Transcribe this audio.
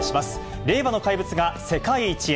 令和の怪物が世界一へ。